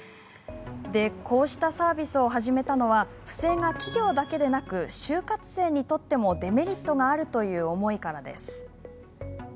こうしたサービスを始めたのは不正が企業だけでなく就活生にとってもデメリットがあるという思いからです。